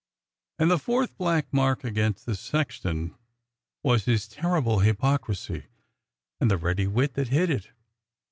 And the fourth black mark against the sexton was his ter rible hypocrisy and the ready wit that hid it.